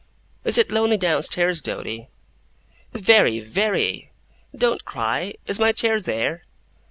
Is it lonely, down stairs, Doady?' 'Very! Very!' 'Don't cry! Is my chair there?